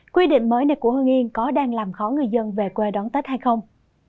quy định mới này của hương yên có đang làm khó người dân về quê đón tết hay không